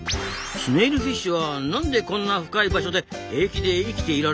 スネイルフィッシュはなんでこんな深い場所で平気で生きていられるの？